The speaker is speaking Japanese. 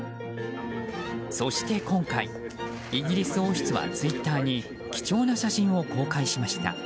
そして今回、イギリス王室はツイッターに貴重な写真を公開しました。